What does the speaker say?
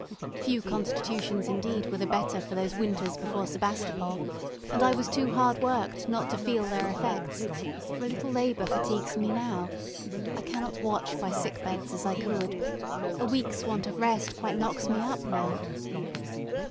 Few constitutions, indeed, were the better for those winters before Sebastopol, and I was too hard worked not to feel their effects; for a little labour fatigues me now I cannot watch by sick beds as I could a week's want of rest quite knocks me up now.